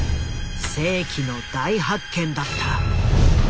世紀の大発見だった。